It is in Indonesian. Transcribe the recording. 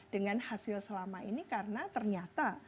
dengan hasil selama ini karena ternyata